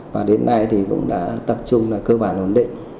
và đến nay thì cũng đã tập trung là cơ bản ổn định